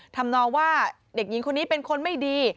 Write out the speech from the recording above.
ทำนองว่าเด็กหญิงคนนี้เป็นคนไม่ดี